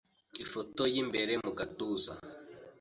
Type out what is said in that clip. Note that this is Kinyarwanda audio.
Ifoto y'imbere mu gatuza